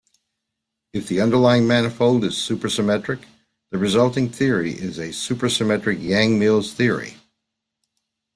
If the underlying manifold is supersymmetric, the resulting theory is a super-symmetric Yang-Mills theory.